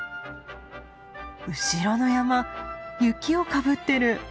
後ろの山雪をかぶってる！